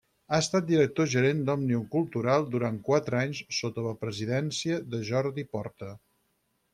Ha estat director gerent d'Òmnium Cultural durant quatre anys, sota la presidència de Jordi Porta.